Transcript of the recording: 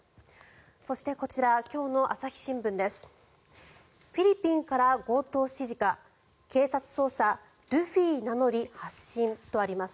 そして、こちら今日の朝日新聞です。